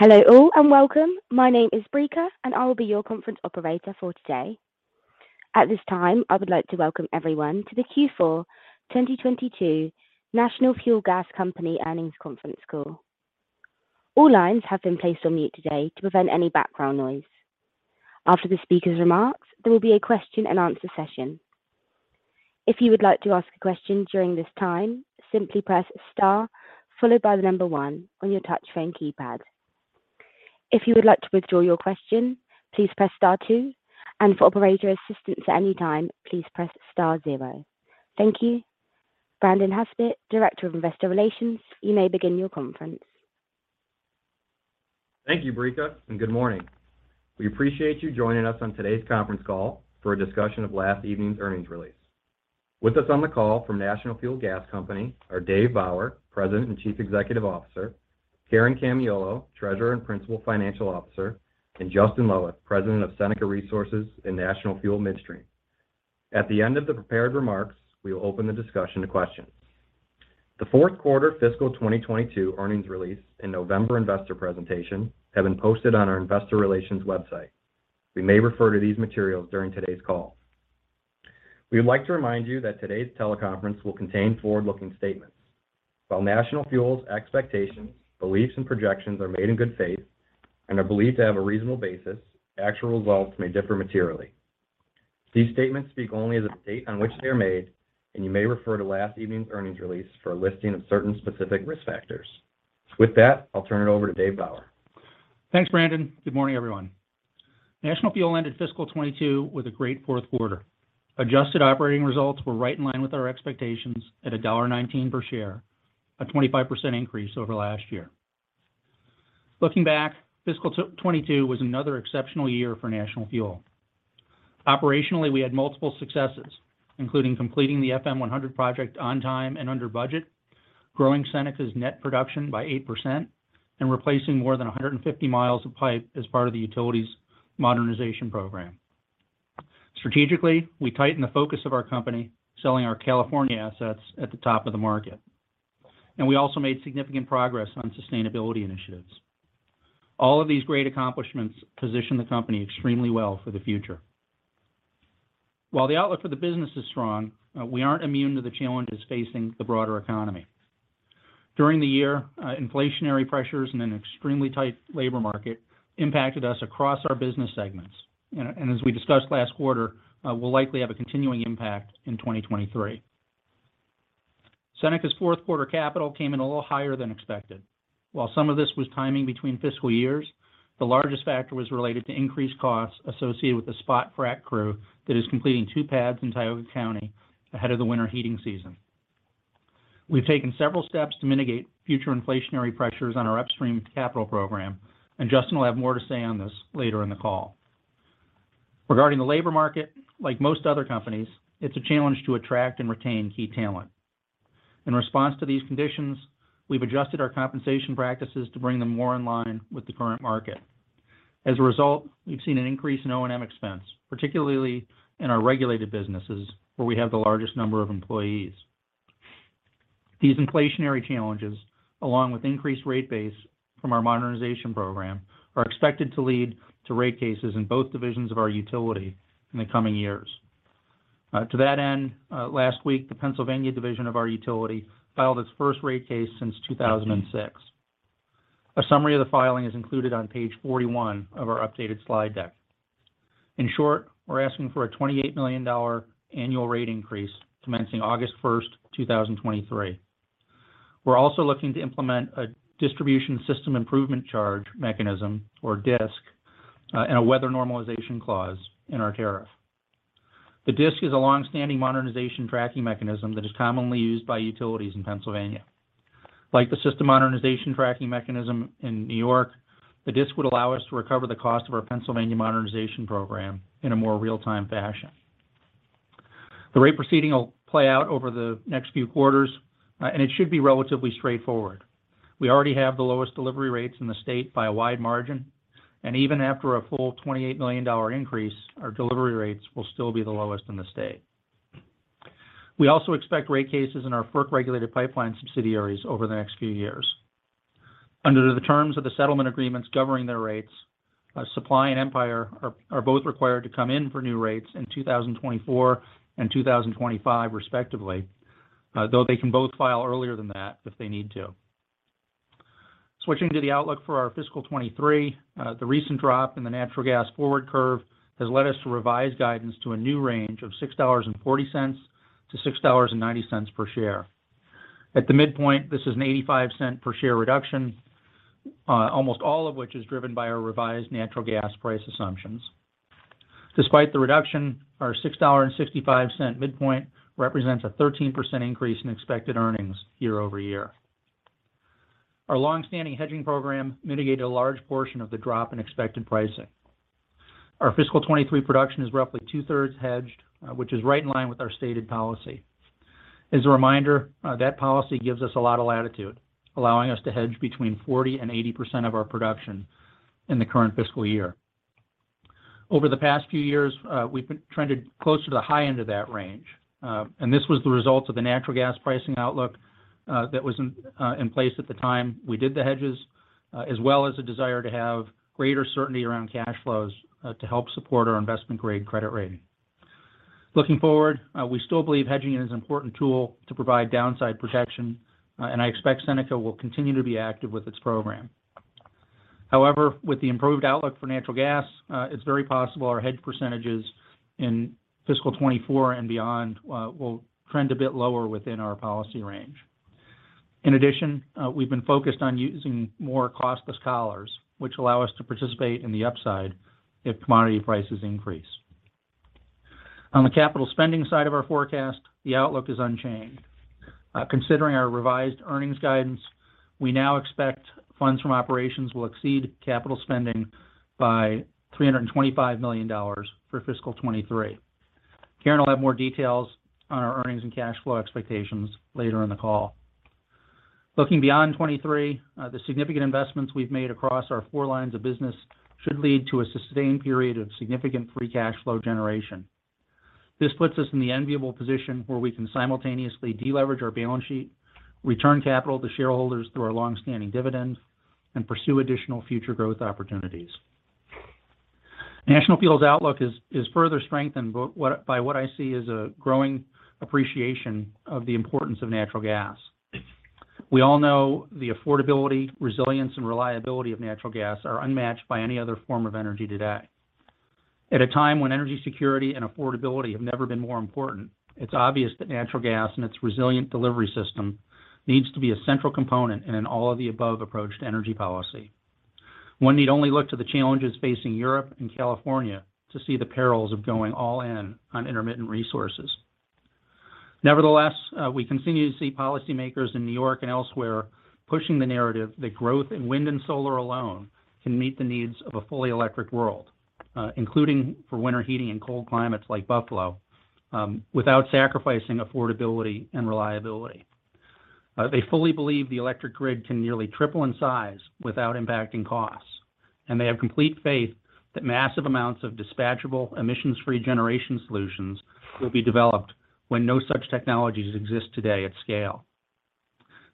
Hello all, and welcome. My name is Brika, and I will be your conference operator for today. At this time, I would like to welcome everyone to the Q4 2022 National Fuel Gas Company Earnings Conference Call. All lines have been placed on mute today to prevent any background noise. After the speaker's remarks, there will be a question and answer session. If you would like to ask a question during this time, simply press star followed by the number one on your touch-tone keypad. If you would like to withdraw your question, please press star two, and for operator assistance at any time, please press star zero. Thank you. Brandon Haspett, Director of Investor Relations, you may begin your conference. Thank you, Brika, and good morning. We appreciate you joining us on today's conference call for a discussion of last evening's earnings release. With us on the call from National Fuel Gas Company are Dave Bauer, President and Chief Executive Officer, Karen Camiolo, Treasurer and Principal Financial Officer, and Justin Loweth, President of Seneca Resources and National Fuel Midstream. At the end of the prepared remarks, we will open the discussion to questions. The fourth quarter fiscal 2022 earnings release and November investor presentation have been posted on our investor relations website. We may refer to these materials during today's call. We would like to remind you that today's teleconference will contain forward-looking statements. While National Fuel's expectations, beliefs, and projections are made in good faith and are believed to have a reasonable basis, actual results may differ materially. These statements speak only as of the date on which they are made, and you may refer to last evening's earnings release for a listing of certain specific risk factors. With that, I'll turn it over to Dave Bauer. Thanks, Brandon. Good morning, everyone. National Fuel ended fiscal 2022 with a great fourth quarter. Adjusted operating results were right in line with our expectations at $1.19 per share, a 25% increase over last year. Looking back, fiscal 2022 was another exceptional year for National Fuel. Operationally, we had multiple successes, including completing the FM100 project on time and under budget, growing Seneca's net production by 8%, and replacing more than 150 miles of pipe as part of the utilities modernization program. Strategically, we tightened the focus of our company, selling our California assets at the top of the market. We also made significant progress on sustainability initiatives. All of these great accomplishments position the company extremely well for the future. While the outlook for the business is strong, we aren't immune to the challenges facing the broader economy. During the year, inflationary pressures in an extremely tight labor market impacted us across our business segments. As we discussed last quarter, will likely have a continuing impact in 2023. Seneca's fourth quarter capital came in a little higher than expected. While some of this was timing between fiscal years, the largest factor was related to increased costs associated with the spot frack crew that is completing two pads in Tioga County ahead of the winter heating season. We've taken several steps to mitigate future inflationary pressures on our upstream capital program, and Justin will have more to say on this later in the call. Regarding the labor market, like most other companies, it's a challenge to attract and retain key talent. In response to these conditions, we've adjusted our compensation practices to bring them more in line with the current market. As a result, we've seen an increase in O&M expense, particularly in our regulated businesses where we have the largest number of employees. These inflationary challenges, along with increased rate base from our modernization program, are expected to lead to rate cases in both divisions of our utility in the coming years. To that end, last week, the Pennsylvania division of our utility filed its first rate case since 2006. A summary of the filing is included on page 41 of our updated slide deck. In short, we're asking for a $28 million annual rate increase commencing August 1st, 2023. We're also looking to implement a Distribution System Improvement Charge mechanism or DSIC, and a weather normalization clause in our tariff. The DSIC is a long-standing modernization tracking mechanism that is commonly used by utilities in Pennsylvania. Like the system modernization tracking mechanism in New York, the DSIC would allow us to recover the cost of our Pennsylvania modernization program in a more real-time fashion. The rate proceeding will play out over the next few quarters, and it should be relatively straightforward. We already have the lowest delivery rates in the state by a wide margin, and even after a full $28 million increase, our delivery rates will still be the lowest in the state. We also expect rate cases in our FERC-regulated pipeline subsidiaries over the next few years. Under the terms of the settlement agreements governing their rates, Supply and Empire are both required to come in for new rates in 2024 and 2025 respectively. Though they can both file earlier than that if they need to. Switching to the outlook for our fiscal 2023, the recent drop in the natural gas forward curve has led us to revise guidance to a new range of $6.40-$6.90 per share. At the midpoint, this is an $0.85 per share reduction, almost all of which is driven by our revised natural gas price assumptions. Despite the reduction, our $6.65 midpoint represents a 13% increase in expected earnings year-over-year. Our long-standing hedging program mitigated a large portion of the drop in expected pricing. Our fiscal 2023 production is roughly two-thirds hedged, which is right in line with our stated policy. As a reminder, that policy gives us a lot of latitude, allowing us to hedge between 40%-80% of our production in the current fiscal year. Over the past few years, we've been trending closer to the high end of that range. This was the result of the natural gas pricing outlook that was in place at the time we did the hedges, as well as a desire to have greater certainty around cash flows to help support our investment-grade credit rating. Looking forward, we still believe hedging is an important tool to provide downside protection, and I expect Seneca will continue to be active with its program. However, with the improved outlook for natural gas, it's very possible our hedge percentages in fiscal 2024 and beyond will trend a bit lower within our policy range. In addition, we've been focused on using more costless collars, which allow us to participate in the upside if commodity prices increase. On the capital spending side of our forecast, the outlook is unchanged. Considering our revised earnings guidance, we now expect funds from operations will exceed capital spending by $325 million for fiscal 2023. Karen will have more details on our earnings and cash flow expectations later in the call. Looking beyond 2023, the significant investments we've made across our four lines of business should lead to a sustained period of significant free cash flow generation. This puts us in the enviable position where we can simultaneously deleverage our balance sheet, return capital to shareholders through our long-standing dividends, and pursue additional future growth opportunities. National Fuel's outlook is further strengthened by what I see as a growing appreciation of the importance of natural gas. We all know the affordability, resilience, and reliability of natural gas are unmatched by any other form of energy today. At a time when energy security and affordability have never been more important, it's obvious that natural gas and its resilient delivery system needs to be a central component in an all-of-the-above approach to energy policy. One need only look to the challenges facing Europe and California to see the perils of going all in on intermittent resources. Nevertheless, we continue to see policymakers in New York and elsewhere pushing the narrative that growth in wind and solar alone can meet the needs of a fully electric world, including for winter heating in cold climates like Buffalo, without sacrificing affordability and reliability. They fully believe the electric grid can nearly triple in size without impacting costs, and they have complete faith that massive amounts of dispatchable, emissions-free generation solutions will be developed when no such technologies exist today at scale.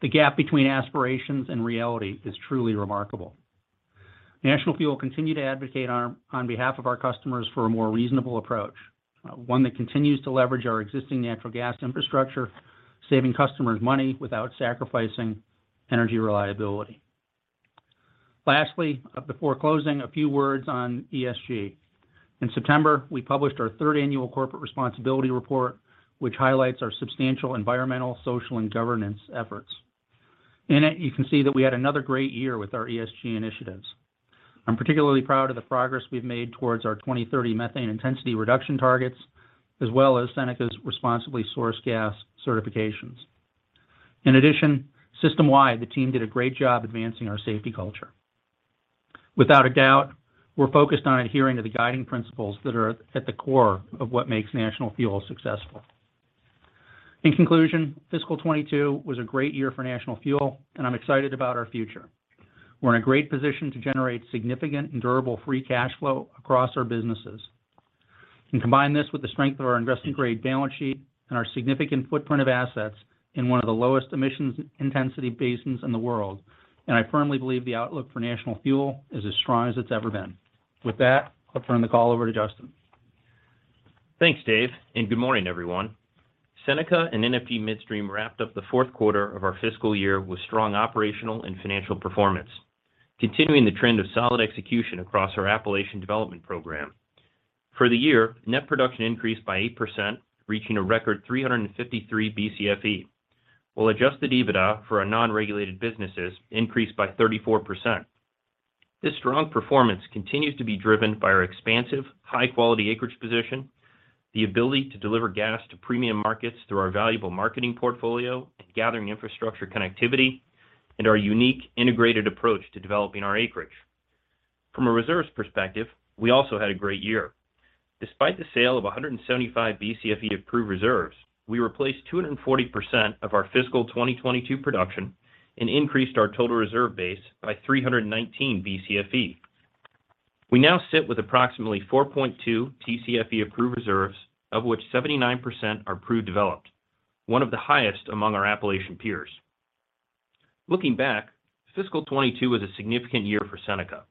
The gap between aspirations and reality is truly remarkable. National Fuel will continue to advocate on behalf of our customers for a more reasonable approach, one that continues to leverage our existing natural gas infrastructure, saving customers money without sacrificing energy reliability. Lastly, before closing, a few words on ESG. In September, we published our third annual corporate responsibility report, which highlights our substantial environmental, social, and governance efforts. In it, you can see that we had another great year with our ESG initiatives. I'm particularly proud of the progress we've made towards our 2030 methane intensity reduction targets, as well as Seneca's responsibly sourced gas certifications. In addition, system-wide, the team did a great job advancing our safety culture. Without a doubt, we're focused on adhering to the guiding principles that are at the core of what makes National Fuel successful. In conclusion, fiscal 2022 was a great year for National Fuel, and I'm excited about our future. We're in a great position to generate significant and durable free cash flow across our businesses. Combine this with the strength of our investment-grade balance sheet and our significant footprint of assets in one of the lowest emissions intensity basins in the world, and I firmly believe the outlook for National Fuel is as strong as it's ever been. With that, I'll turn the call over to Justin. Thanks, Dave, and good morning, everyone. Seneca and NFG Midstream wrapped up the fourth quarter of our fiscal year with strong operational and financial performance, continuing the trend of solid execution across our Appalachian development program. For the year, net production increased by 8%, reaching a record 353 Bcfe, while adjusted EBITDA for our non-regulated businesses increased by 34%. This strong performance continues to be driven by our expansive, high-quality acreage position, the ability to deliver gas to premium markets through our valuable marketing portfolio and gathering infrastructure connectivity, and our unique integrated approach to developing our acreage. From a reserves perspective, we also had a great year. Despite the sale of 175 Bcfe of proved reserves, we replaced 240% of our fiscal 2022 production and increased our total reserve base by 319 Bcfe. We now sit with approximately 4.2 Tcfe of proved reserves, of which 79% are proved developed, one of the highest among our Appalachian peers. Looking back, fiscal 2022 was a significant year for Seneca.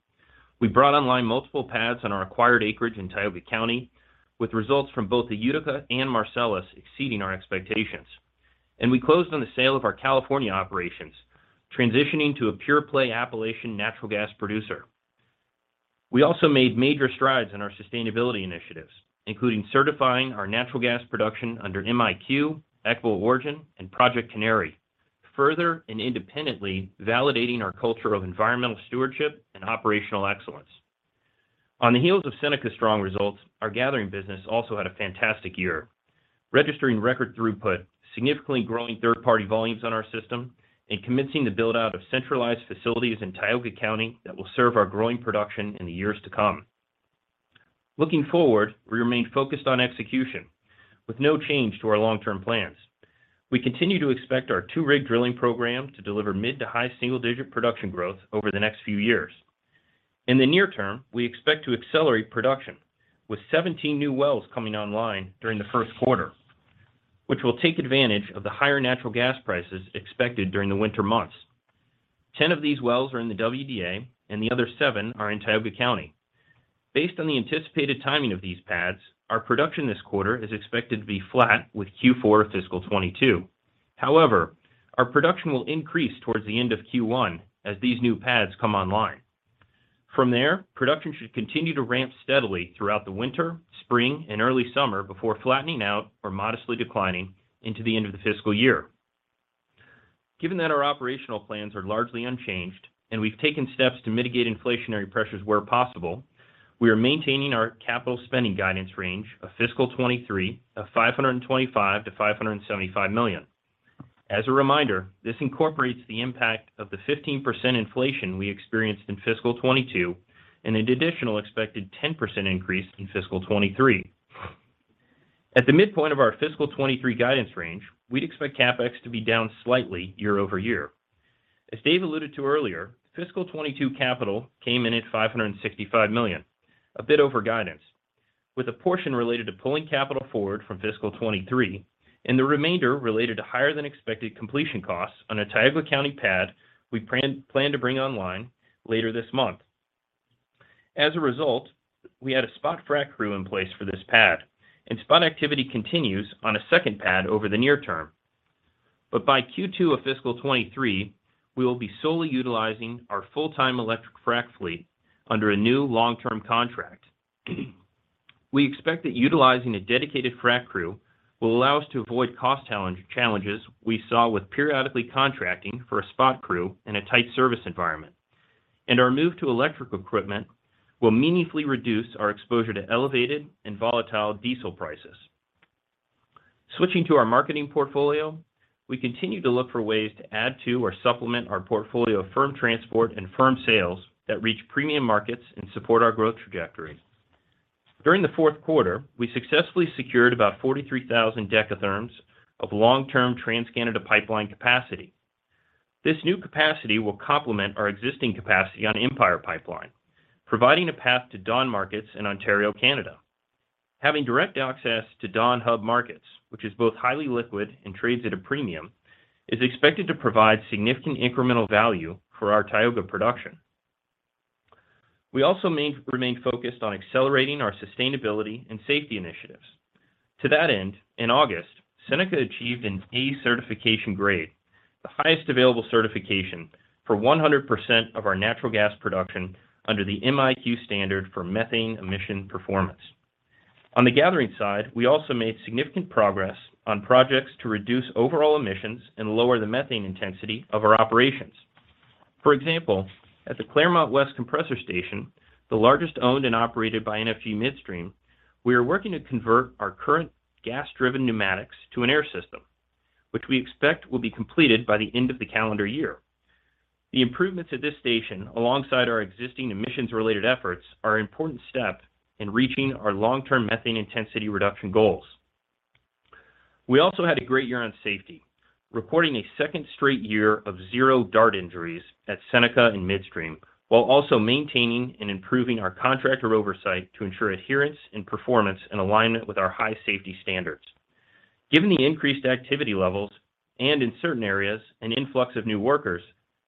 We brought online multiple pads on our acquired acreage in Tioga County, with results from both the Utica and Marcellus exceeding our expectations. We closed on the sale of our California operations, transitioning to a pure-play Appalachian natural gas producer. We also made major strides in our sustainability initiatives, including certifying our natural gas production under MiQ, Equitable Origin, and Project Canary, further and independently validating our culture of environmental stewardship and operational excellence. On the heels of Seneca's strong results, our gathering business also had a fantastic year. Registering record throughput, significantly growing third-party volumes on our system, and commencing the build-out of centralized facilities in Tioga County that will serve our growing production in the years to come. Looking forward, we remain focused on execution with no change to our long-term plans. We continue to expect our two-rig drilling program to deliver mid- to high-single-digit production growth over the next few years. In the near term, we expect to accelerate production with 17 new wells coming online during the first quarter, which will take advantage of the higher natural gas prices expected during the winter months. 10 of these wells are in the WDA and the other seven are in Tioga County. Based on the anticipated timing of these pads, our production this quarter is expected to be flat with Q4 fiscal 2022. However, our production will increase towards the end of Q1 as these new pads come online. From there, production should continue to ramp steadily throughout the winter, spring, and early summer before flattening out or modestly declining into the end of the fiscal year. Given that our operational plans are largely unchanged and we've taken steps to mitigate inflationary pressures where possible, we are maintaining our capital spending guidance range of fiscal 2023 of $525 million-$575 million. As a reminder, this incorporates the impact of the 15% inflation we experienced in fiscal 2022 and an additional expected 10% increase in fiscal 2023. At the midpoint of our fiscal 2023 guidance range, we'd expect CapEx to be down slightly year-over-year. As Dave alluded to earlier, fiscal 2022 capital came in at $565 million, a bit over guidance, with a portion related to pulling capital forward from fiscal 2023 and the remainder related to higher than expected completion costs on a Tioga County pad we plan to bring online later this month. As a result, we had a spot frac crew in place for this pad, and spot activity continues on a second pad over the near term. By Q2 of fiscal 2023, we will be solely utilizing our full-time electric frac fleet under a new long-term contract. We expect that utilizing a dedicated frac crew will allow us to avoid cost challenges we saw with periodically contracting for a spot crew in a tight service environment. Our move to electric equipment will meaningfully reduce our exposure to elevated and volatile diesel prices. Switching to our marketing portfolio, we continue to look for ways to add to or supplement our portfolio of firm transport and firm sales that reach premium markets and support our growth trajectory. During the fourth quarter, we successfully secured about 43,000 decatherms of long-term TC Energy pipeline capacity. This new capacity will complement our existing capacity on Empire Pipeline, providing a path to Dawn markets in Ontario, Canada. Having direct access to Dawn hub markets, which is both highly liquid and trades at a premium, is expected to provide significant incremental value for our Tioga production. We also remain focused on accelerating our sustainability and safety initiatives. To that end, in August, Seneca achieved an A certification grade, the highest available certification for 100% of our natural gas production under the MiQ standard for methane emission performance. On the gathering side, we also made significant progress on projects to reduce overall emissions and lower the methane intensity of our operations. For example, at the Clermont West Compressor Station, the largest owned and operated by NFG Midstream, we are working to convert our current gas-driven pneumatics to an air system, which we expect will be completed by the end of the calendar year. The improvements at this station, alongside our existing emissions-related efforts, are an important step in reaching our long-term methane intensity reduction goals. We also had a great year on safety, reporting a second straight year of zero DART injuries at Seneca and Midstream, while also maintaining and improving our contractor oversight to ensure adherence and performance and alignment with our high safety standards. Given the increased activity levels and in certain areas, an influx of new workers,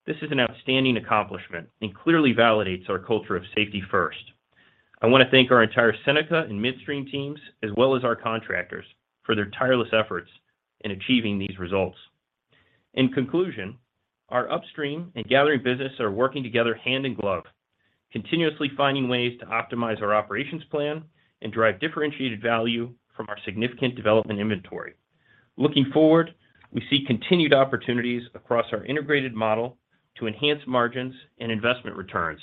this is an outstanding accomplishment and clearly validates our culture of safety first. I want to thank our entire Seneca and Midstream teams, as well as our contractors, for their tireless efforts in achieving these results. In conclusion, our upstream and gathering business are working together hand in glove, continuously finding ways to optimize our operations plan and drive differentiated value from our significant development inventory. Looking forward, we see continued opportunities across our integrated model to enhance margins and investment returns.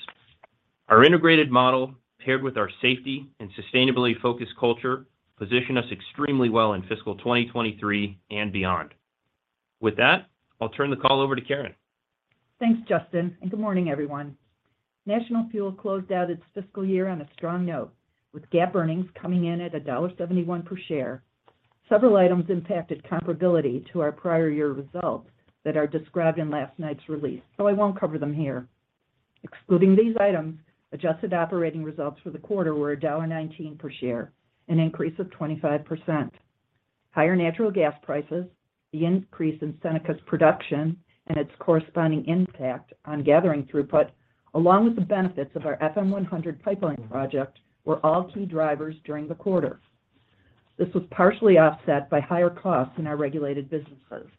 Our integrated model, paired with our safety and sustainability-focused culture, position us extremely well in fiscal 2023 and beyond. With that, I'll turn the call over to Karen. Thanks, Justin, and good morning, everyone. National Fuel closed out its fiscal year on a strong note with GAAP earnings coming in at $1.71 per share. Several items impacted comparability to our prior year results that are described in last night's release, so I won't cover them here. Excluding these items, adjusted operating results for the quarter were $1.19 per share, an increase of 25%. Higher natural gas prices, the increase in Seneca's production and its corresponding impact on gathering throughput, along with the benefits of our FM100 pipeline project, were all key drivers during the quarter. This was partially offset by higher costs in our regulated businesses.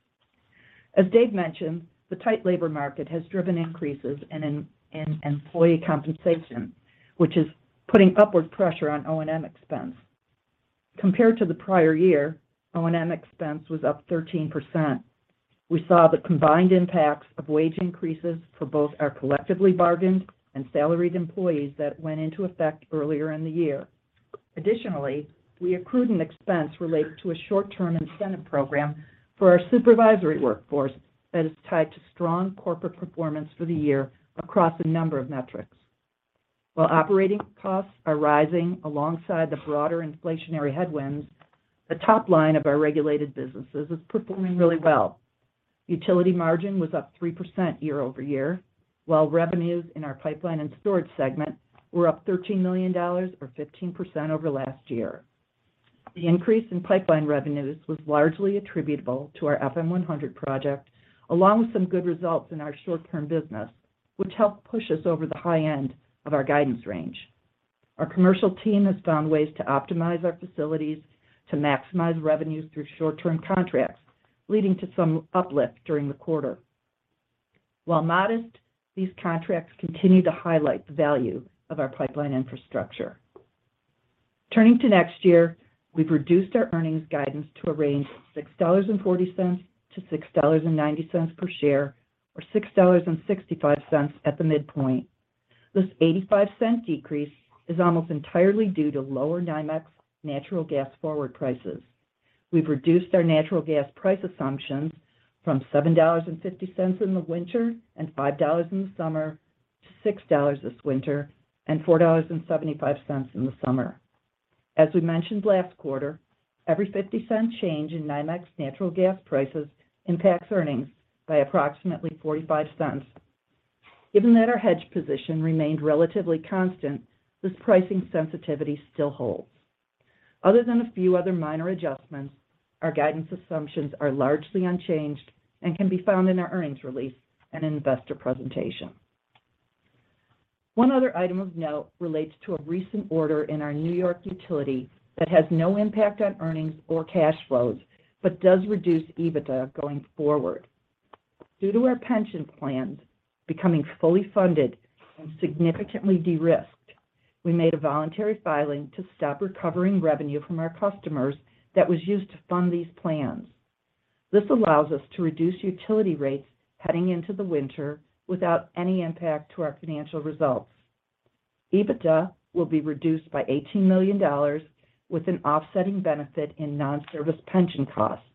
As Dave mentioned, the tight labor market has driven increases in employee compensation, which is putting upward pressure on O&M expense. Compared to the prior year, O&M expense was up 13%. We saw the combined impacts of wage increases for both our collectively bargained and salaried employees that went into effect earlier in the year. Additionally, we accrued an expense related to a short-term incentive program for our supervisory workforce that is tied to strong corporate performance for the year across a number of metrics. Operating costs are rising alongside the broader inflationary headwinds, the top line of our regulated businesses is performing really well. Utility margin was up 3% year-over-year, while revenues in our pipeline and storage segment were up $13 million or 15% over last year. The increase in pipeline revenues was largely attributable to our FM100 project, along with some good results in our short-term business, which helped push us over the high end of our guidance range. Our commercial team has found ways to optimize our facilities to maximize revenues through short-term contracts, leading to some uplift during the quarter. While modest, these contracts continue to highlight the value of our pipeline infrastructure. Turning to next year, we've reduced our earnings guidance to a range of $6.40-$6.90 per share, or $6.65 at the midpoint. This $0.85 decrease is almost entirely due to lower NYMEX natural gas forward prices. We've reduced our natural gas price assumptions from $7.50 in the winter and $5 in the summer to $6 this winter and $4.75 in the summer. As we mentioned last quarter, every $0.50 change in NYMEX natural gas prices impacts earnings by approximately $0.45. Given that our hedge position remained relatively constant, this pricing sensitivity still holds. Other than a few other minor adjustments, our guidance assumptions are largely unchanged and can be found in our earnings release and investor presentation. One other item of note relates to a recent order in our New York utility that has no impact on earnings or cash flows, but does reduce EBITDA going forward. Due to our pension plans becoming fully funded and significantly de-risked, we made a voluntary filing to stop recovering revenue from our customers that was used to fund these plans. This allows us to reduce utility rates heading into the winter without any impact to our financial results. EBITDA will be reduced by $18 million with an offsetting benefit in non-service pension costs,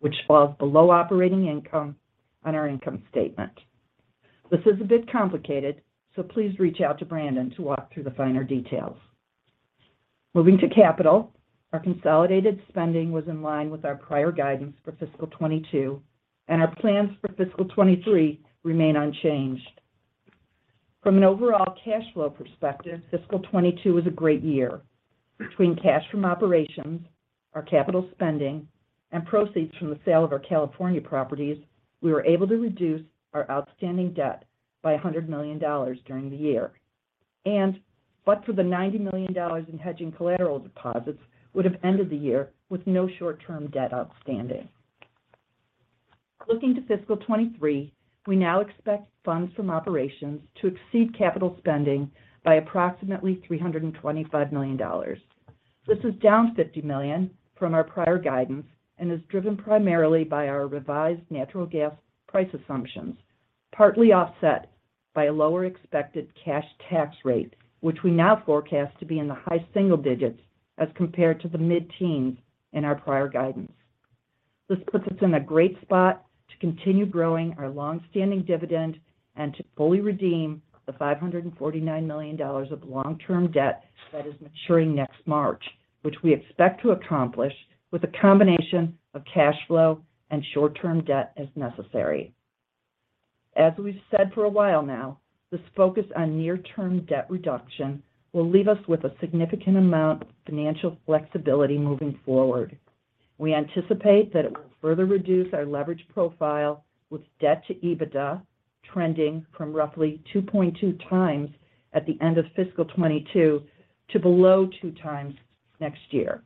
which falls below operating income on our income statement. This is a bit complicated, so please reach out to Brandon to walk through the finer details. Moving to capital, our consolidated spending was in line with our prior guidance for fiscal 2022, and our plans for fiscal 2023 remain unchanged. From an overall cash flow perspective, fiscal 2022 was a great year. Between cash from operations, our capital spending, and proceeds from the sale of our California properties, we were able to reduce our outstanding debt by $100 million during the year. But for the $90 million in hedging collateral deposits, would have ended the year with no short-term debt outstanding. Looking to fiscal 2023, we now expect funds from operations to exceed capital spending by approximately $325 million. This is down $50 million from our prior guidance and is driven primarily by our revised natural gas price assumptions, partly offset by a lower expected cash tax rate, which we now forecast to be in the high single digits as compared to the mid-teens in our prior guidance. This puts us in a great spot to continue growing our long-standing dividend and to fully redeem the $549 million of long-term debt that is maturing next March, which we expect to accomplish with a combination of cash flow and short-term debt as necessary. As we've said for a while now, this focus on near-term debt reduction will leave us with a significant amount of financial flexibility moving forward. We anticipate that it will further reduce our leverage profile with debt to EBITDA trending from roughly 2.2x at the end of fiscal 2022 to below 2x next year.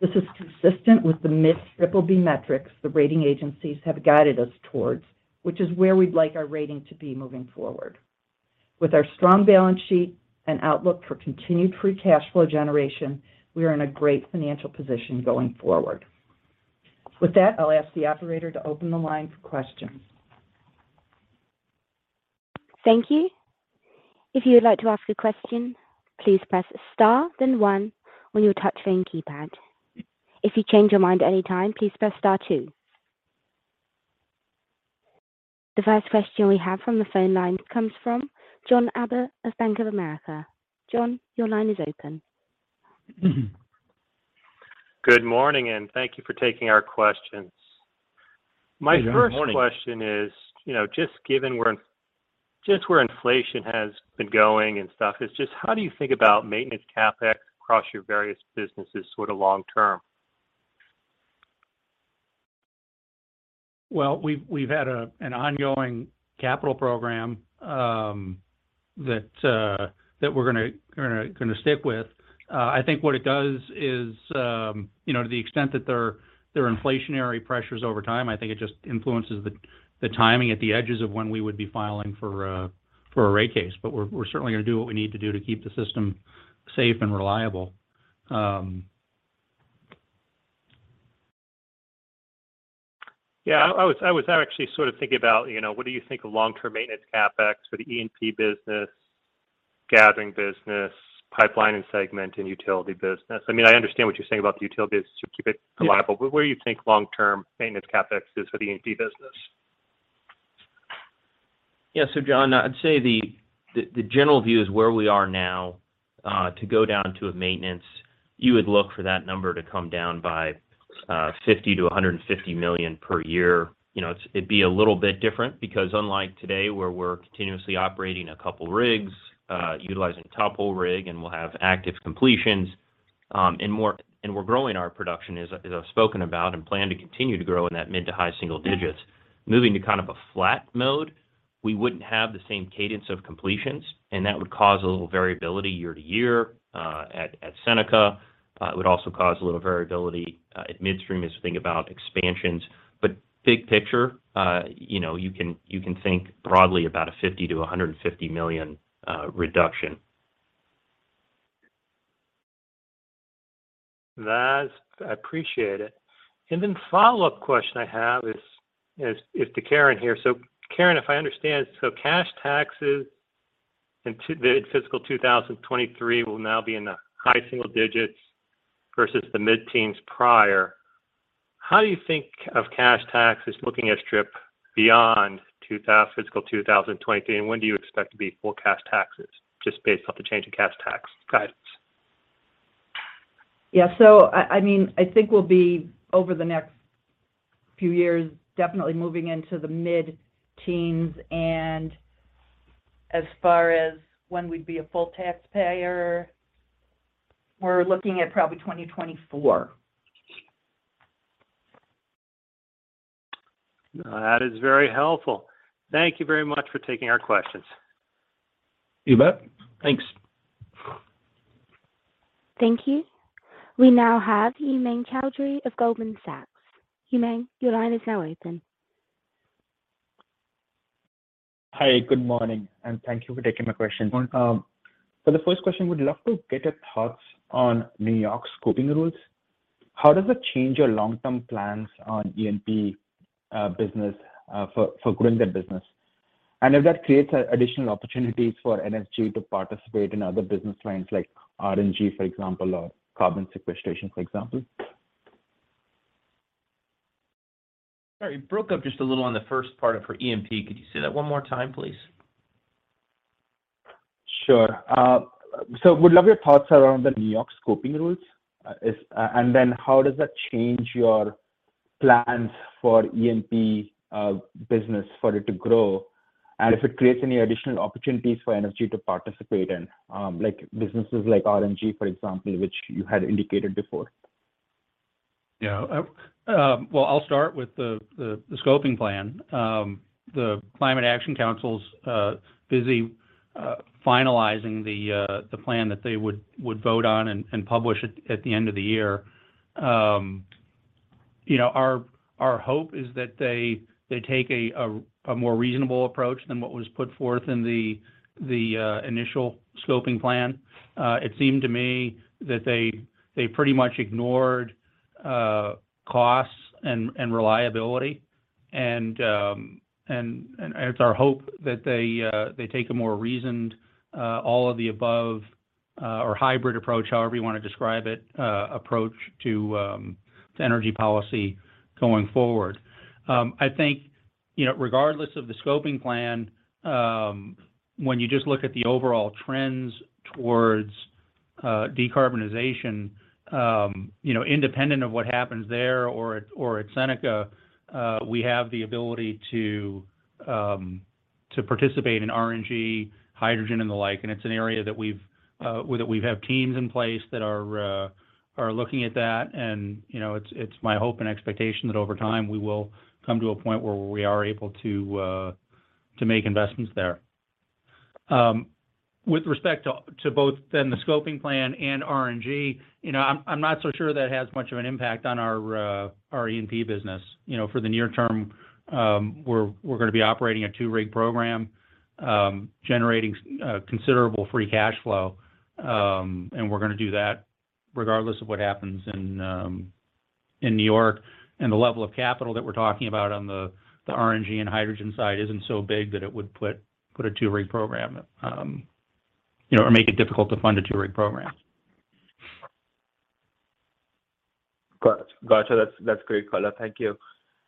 This is consistent with the mid-triple-B metrics the rating agencies have guided us towards, which is where we'd like our rating to be moving forward. With our strong balance sheet and outlook for continued free cash flow generation, we are in a great financial position going forward. With that, I'll ask the operator to open the line for questions. Thank you. If you would like to ask a question, please press star, then one on your touchtone keypad. If you change your mind at any time, please press star two. The first question we have from the phone line comes from John Abbott of Bank of America. John, your line is open. Good morning, and thank you for taking our questions. Good morning. My first question is, you know, just where inflation has been going and stuff, is just how do you think about maintenance CapEx across your various businesses sort of long term? Well, we've had an ongoing capital program that we're gonna stick with. I think what it does is, you know, to the extent that there are inflationary pressures over time, I think it just influences the timing at the edges of when we would be filing for a rate case. We're certainly gonna do what we need to do to keep the system safe and reliable. Yeah, I was actually sort of thinking about, you know, what do you think of long-term maintenance CapEx for the E&P business, gathering business, pipeline and segment, and utility business? I mean, I understand what you're saying about the utility business to keep it reliable. Yeah. Where do you think long-term maintenance CapEx is for the E&P business? Yeah. John, I'd say the general view is where we are now to go down to a maintenance. You would look for that number to come down by $50 million-$150 million per year. You know, it'd be a little bit different because unlike today, where we're continuously operating a couple rigs, utilizing tophole rig, and we'll have active completions, and we're growing our production, as I've spoken about, and plan to continue to grow in that mid- to high-single digits. Moving to kind of a flat mode, we wouldn't have the same cadence of completions, and that would cause a little variability year to year at Seneca. It would also cause a little variability at midstream as you think about expansions. Big picture, you know, you can think broadly about a $50 million-$150 million reduction. That's.. I appreciate it. Follow-up question I have is to Karen here. Karen, if I understand, cash taxes in the fiscal 2023 will now be in the high single digits versus the mid-teens prior. How do you think of cash taxes looking at strip beyond fiscal 2023, and when do you expect to be full cash taxes, just based off the change in cash tax guidance? Yeah. I mean, I think we'll be over the next few years definitely moving into the mid-teens. As far as when we'd be a full taxpayer, we're looking at probably 2024. That is very helpful. Thank you very much for taking our questions. You bet. Thanks. Thank you. We now have Umang Choudhary of Goldman Sachs. Umang, your line is now open. Hi. Good morning, and thank you for taking my question. The first question, would love to get your thoughts on New York scoping rules. How does it change your long-term plans on E&P business for growing their business? If that creates additional opportunities for NFG to participate in other business lines like RNG, for example, or carbon sequestration, for example? Sorry. It broke up just a little on the first part for E&P. Could you say that one more time, please? Sure. Would love your thoughts around the New York scoping rules. How does that change your plans for E&P business for it to grow? If it creates any additional opportunities for NFG to participate in, like businesses like RNG, for example, which you had indicated before. Yeah. Well, I'll start with the scoping plan. The Climate Action Council is busy finalizing the plan that they would vote on and publish it at the end of the year. You know, our hope is that they take a more reasonable approach than what was put forth in the initial scoping plan. It seemed to me that they pretty much ignored costs and reliability. It's our hope that they take a more reasoned all of the above or hybrid approach, however you wanna describe it, approach to energy policy going forward. I think, you know, regardless of the scoping plan, when you just look at the overall trends towards decarbonization, you know, independent of what happens there or at Seneca, we have the ability to participate in RNG, hydrogen, and the like. It's an area where we have teams in place that are looking at that. You know, it's my hope and expectation that over time we will come to a point where we are able to make investments there. With respect to both the scoping plan and RNG, you know, I'm not so sure that has much of an impact on our E&P business. You know, for the near term, we're gonna be operating a two-rig program, generating considerable free cash flow. We're gonna do that regardless of what happens in New York. The level of capital that we're talking about on the RNG and hydrogen side isn't so big that it would put a two-rig program, you know, or make it difficult to fund a two-rig program. Got you. That's great, Dave. Thank you.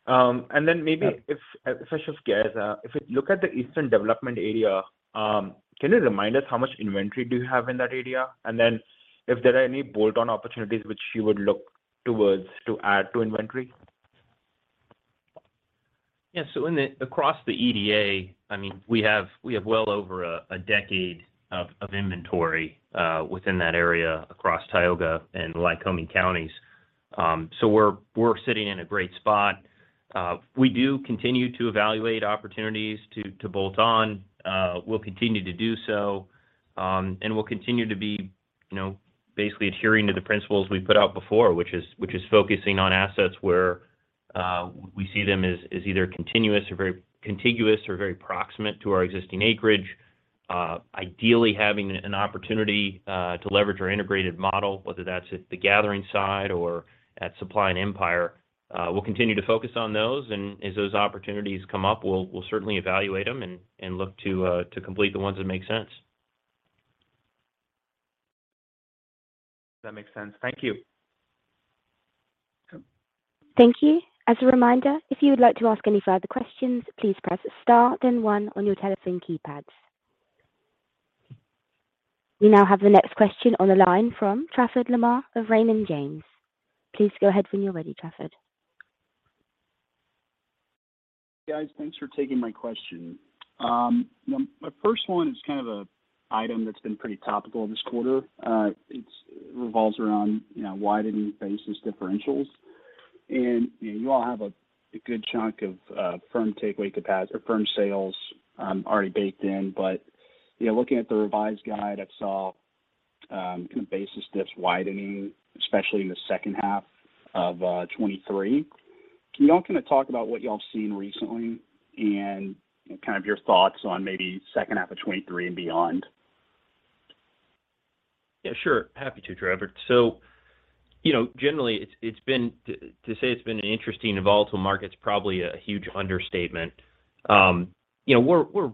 Maybe if I should guess, if you look at the Eastern development area, can you remind us how much inventory you have in that area? And then if there are any bolt-on opportunities which you would look towards to add to inventory? Across the EDA, I mean, we have well over a decade of inventory within that area across Tioga and Lycoming counties. We're sitting in a great spot. We do continue to evaluate opportunities to bolt on. We'll continue to do so. We'll continue to be, you know, basically adhering to the principles we put out before, which is focusing on assets where we see them as either contiguous or very contiguous or very proximate to our existing acreage. Ideally having an opportunity to leverage our integrated model, whether that's at the gathering side or at Supply and Empire. We'll continue to focus on those, and as those opportunities come up, we'll certainly evaluate them and look to complete the ones that make sense. That makes sense. Thank you. Thank you. As a reminder, if you would like to ask any further questions, please press star then one on your telephone keypads. We now have the next question on the line from Trafford Lamar of Raymond James. Please go ahead when you're ready, Trafford. Guys, thanks for taking my question. My first one is kind of a item that's been pretty topical this quarter. It revolves around, you know, widening basis differentials. You know, you all have a good chunk of firm takeaway or firm sales already baked in. You know, looking at the revised guide, I saw kind of basis diffs widening, especially in the second half of 2023. Can you all kinda talk about what y'all have seen recently and, you know, kind of your thoughts on maybe second half of 2023 and beyond? Yeah, sure. Happy to, Trafford. You know, generally to say it's been an interesting and volatile market is probably a huge understatement. We're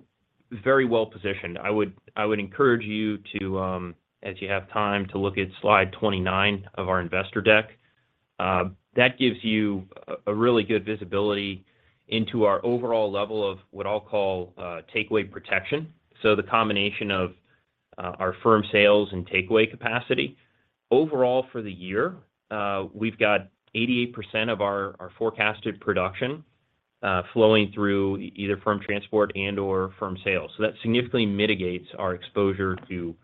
very well positioned. I would encourage you to, as you have time, to look at slide 29 of our investor deck. That gives you a really good visibility into our overall level of what I'll call takeaway protection, so the combination of our firm sales and takeaway capacity. Overall for the year, we've got 88% of our forecasted production flowing through either firm transport and/or firm sales. That significantly mitigates our exposure to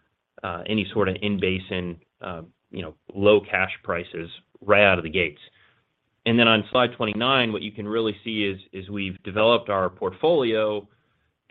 any sort of in-basin low cash prices right out of the gates. On slide 29, what you can really see is we've developed our portfolio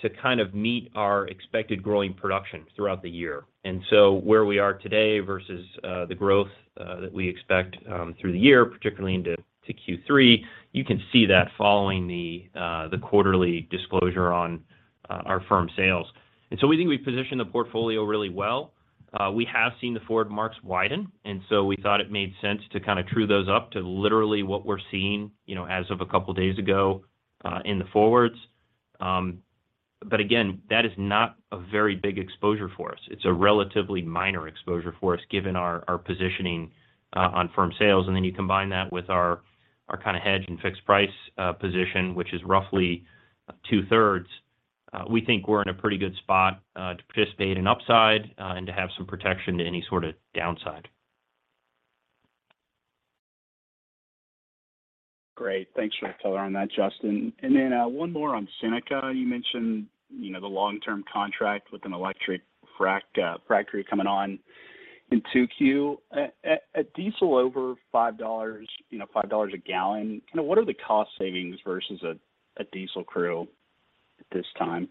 to kind of meet our expected growing production throughout the year. Where we are today versus the growth that we expect through the year, particularly into Q3, you can see that following the quarterly disclosure on our firm sales. We think we've positioned the portfolio really well. We have seen the forward marks widen, and we thought it made sense to kind of true those up to literally what we're seeing, you know, as of a couple of days ago, in the forwards. Again, that is not a very big exposure for us. It's a relatively minor exposure for us, given our positioning on firm sales. You combine that with our kind of hedge and fixed price position, which is roughly two-thirds. We think we're in a pretty good spot to participate in upside and to have some protection to any sort of downside. Great. Thanks for the color on that, Justin. One more on Seneca. You mentioned, you know, the long-term contract with an electric frac crew coming on in 2Q. At diesel over $5, you know, $5 a gallon, you know, what are the cost savings versus a diesel crew at this time?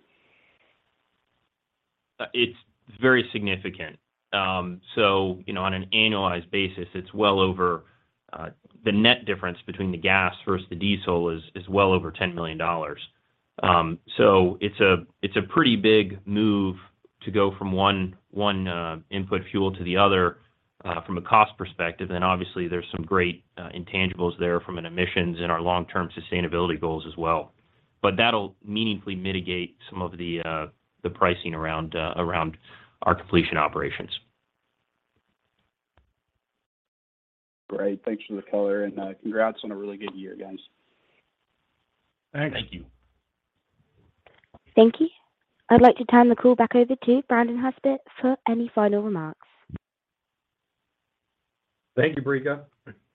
It's very significant. So you know on an annualized basis it's well over the net difference between the gas versus the diesel is well over $10 million. So it's a pretty big move to go from one input fuel to the other from a cost perspective. Then obviously there's some great intangibles there from an emissions and our long-term sustainability goals as well. That'll meaningfully mitigate some of the pricing around our completion operations. Great. Thanks for the color and congrats on a really good year, guys. Thanks. Thank you. Thank you. I'd like to turn the call back over to Brandon Haspett for any final remarks. Thank you, Brika.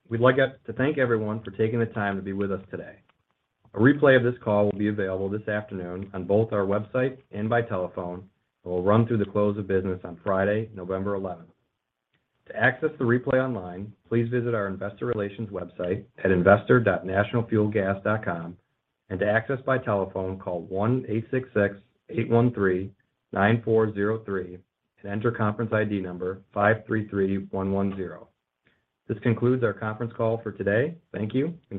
We'd like to thank everyone for taking the time to be with us today. A replay of this call will be available this afternoon on both our website and by telephone, and will run through the close of business on Friday, November eleventh. To access the replay online, please visit our investor relations website at investor.nationalfuelgas.com. To access by telephone, call 1-866-813-9403 and enter conference ID number 533110. This concludes our conference call for today. Thank you.